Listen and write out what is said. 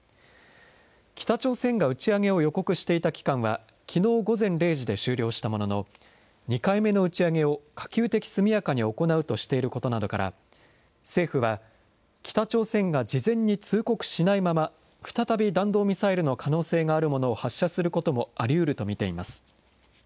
北朝鮮が打ち上げを予告していた期間は、きのう午前０時で終了したものの、２回目の打ち上げを可及的速やかに行うとしていることなどから、政府は北朝鮮が事前に通告しないまま、再び弾道ミサイルの可能性があるものを発射することもありうると見ています。